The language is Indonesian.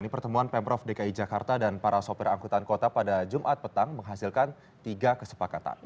pertemuan pemprov dki jakarta dan para sopir angkutan kota pada jumat petang menghasilkan tiga kesepakatan